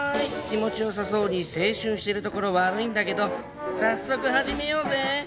気持ちよさそうに青春してるところ悪いんだけど早速始めようぜ！